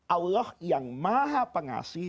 allah yang maha pengasih